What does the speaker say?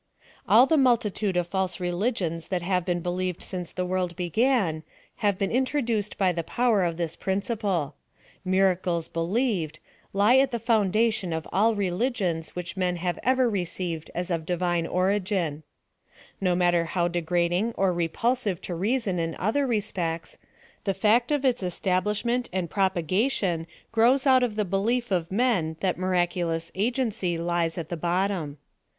All the multitude of false religions that have been believed since the world began, have been intro iuced by the power of this principle. Miracles PLAN OP SALVATION. ^^ BELIEVED, lie at the foundation of all religions which men have ever received as of Divine origin, No matter how degrading or repulsive to reason in other respects, the fact of its establishment and pro [)agation grows out of the belief of men that miracu lous agency lies at the bottom.